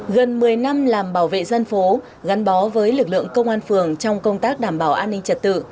gần một mươi năm làm bảo vệ dân phố gắn bó với lực lượng công an phường trong công tác đảm bảo an ninh trật tự